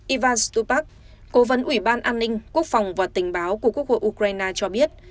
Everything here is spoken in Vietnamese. ivan stupak cố vấn ủy ban an ninh quốc phòng và tình báo của quốc hội ukraine cho biết